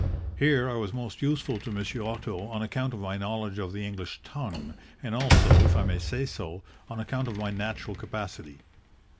Here I was most useful to Monsieur Otto on account of my knowledge of the English tongue, and also, if I may say so, on account of my natural capacity.